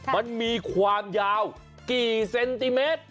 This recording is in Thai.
มันมีความยาวกี่เซนติเมตร